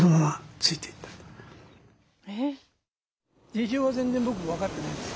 事情は全然僕分かってないんです。